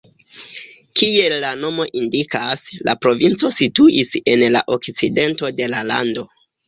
Kiel la nomo indikas, la provinco situis en la okcidento de la lando.